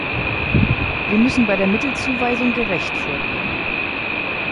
Wir müssen bei der Mittelzuweisung gerecht vorgehen.